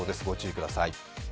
ご注意ください。